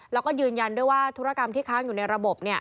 แล้วก็ยืนยันด้วยว่าธุรกรรมที่ค้างอยู่ในระบบ